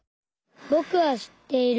ぼくは知っている。